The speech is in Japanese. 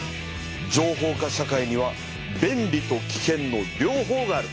情報化社会には「便利」と「きけん」の両方がある。